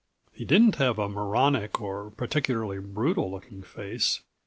He didn't have a moronic or particularly brutal looking face.